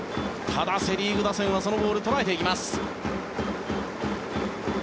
ただ、セ・リーグ打線はそのボールを捉えていきます。